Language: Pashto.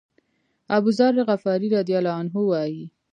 أبوذر غفاري رضی الله عنه وایي.